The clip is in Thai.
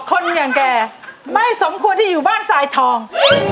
คนอย่างแกไม่สมควรที่อยู่บ้านสายทอง